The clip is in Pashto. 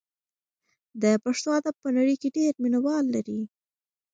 د پښتو ادب په نړۍ کې ډېر مینه وال لري.